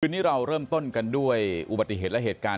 วันนี้เราเริ่มต้นกันด้วยอุบัติเหตุและเหตุการณ์